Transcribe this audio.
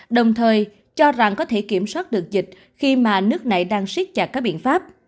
đồng thời cho rằng có thể kiểm soát được dịch khi mà nước này đang siết chặt các biện pháp